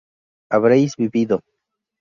habréis vivido